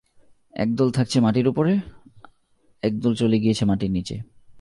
একদল থাকছে মাটির উপরে, একদল চলে গিয়েছে মাটির নিচে।